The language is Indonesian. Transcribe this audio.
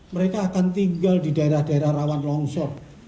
mereka akan tinggal di daerah daerah rawan longsor